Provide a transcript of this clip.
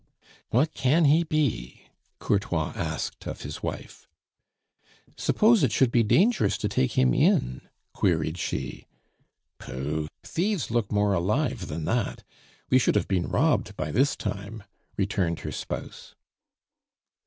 "What can he be?" Courtois asked of his wife. "Suppose it should be dangerous to take him in?" queried she. "Pooh! thieves look more alive than that; we should have been robbed by this time," returned her spouse.